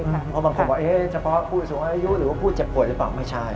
เพราะบางคนบอกเฉพาะผู้สูงอายุหรือว่าผู้เจ็บป่วยหรือเปล่าไม่ใช่